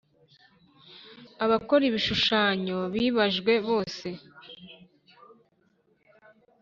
Abakora ibishushanyo bibajwe bose